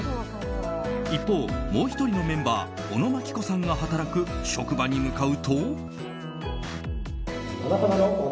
一方、もう１人のメンバーおのまきこさんが働く職場に向かうと。